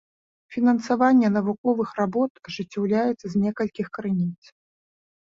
Фінансаванне навуковых работ ажыццяўляецца з некалькіх крыніц.